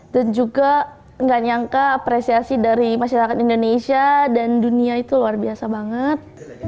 dan juga nggak nyangka apresiasi dari masyarakat indonesia dan dunia itu luar biasa banget